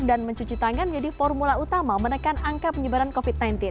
dan mencuci tangan menjadi formula utama menekan angka penyebaran covid sembilan belas